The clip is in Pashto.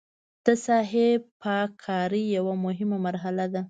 د ساحې پاک کاري یوه مهمه مرحله ده